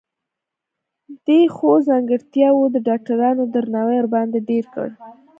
دې ښو ځانګرتياوو د ډاکټرانو درناوی ورباندې ډېر کړ.